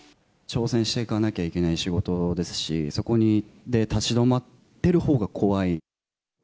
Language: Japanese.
挑戦していかなきゃいけない仕事ですし、そこで立ち止まってるほうが怖い。